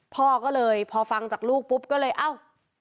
พ่อก็เลยพอฟังจากลูกปุ๊บก็เลยเอ้า